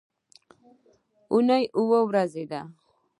اونۍ اووه ورځې ده